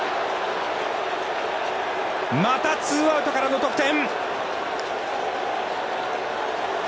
またツーアウトからの得点。